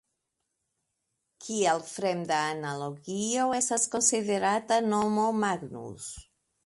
Kiel fremda analogio estas konsiderata nomo "Magnus".